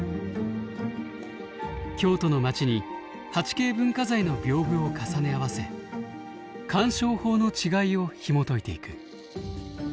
京都の町に８Ｋ文化財の屏風を重ね合わせ鑑賞法の違いをひもといていく。